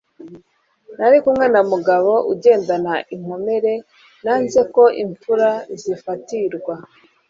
Nali kumwe na Mugabo.Ugendana inkomere nanze ko imfura zifatirwa,